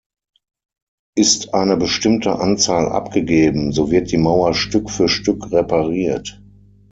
Ist eine bestimmte Anzahl abgegeben, so wird die Mauer Stück für Stück repariert.